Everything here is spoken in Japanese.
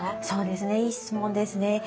そうですね。